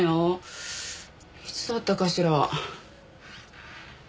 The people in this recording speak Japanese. いつだったかしら？